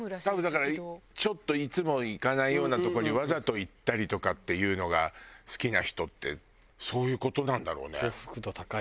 多分だからちょっといつも行かないようなとこにわざと行ったりとかっていうのが好きな人ってそういう事なんだろうね。